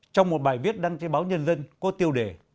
trong một bài viết đăng trên báo nhân dân có tiêu đề